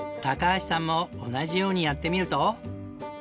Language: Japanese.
高橋さんも同じようにやってみると。